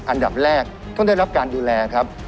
อันดับแรกต้องได้รับการดูแลครับ